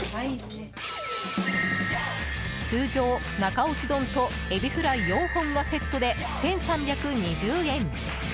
通常、中落ち丼とエビフライ４本がセットで１３２０円。